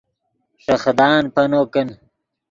ݰے خدان پینو کن